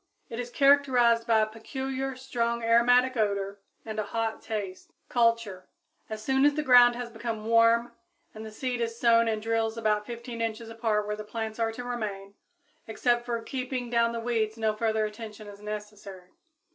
It is characterized by a peculiar, strong aromatic odor, and a hot taste. Culture. As soon as the ground has become warm the seed is sown in drills about 15 inches apart where the plants are to remain. Except for keeping down the weeds no further attention is necessary.